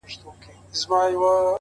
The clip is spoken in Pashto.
خو په خوب کې ما مسجد نبوي ولیدی